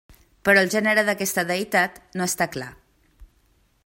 Però el gènere d'aquesta deïtat no està clar.